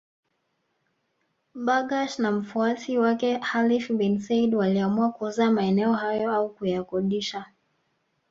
Bargash na mfuasi wake Khalifa bin Said waliamua kuuza maeneo hayo au kuyakodisha